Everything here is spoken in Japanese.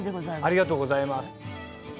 ありがとうございます。